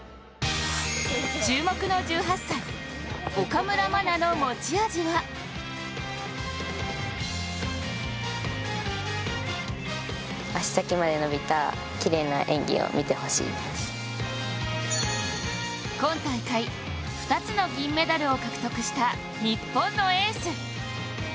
注目の１８歳、岡村真の持ち味は今大会、２つの銀メダルを獲得した日本のエース。